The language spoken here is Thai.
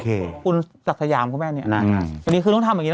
คุณศักดิ์สยามคุณแม่เนี่ยนะอันนี้คือต้องทำอย่างนี้